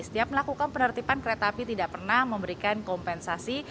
setiap melakukan penertiban kereta api tidak pernah memberikan kompensasi